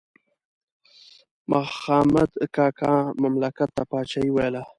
مخامد کاکا مملکت ته پاچاهي ویله.